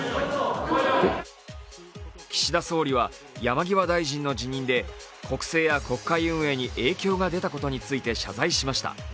岸田総理は山際前大臣の辞任で国政や国会運営に影響が出たことについて謝罪しました。